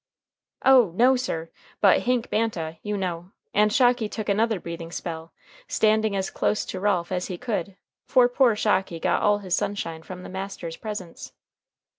"Oh! no, sir; but Hank Banta, you know " and Shocky took another breathing spell, standing as dose to Ralph as he could, for poor Shocky got all his sunshine from the master's presence.